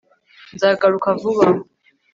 nzagaruka vuba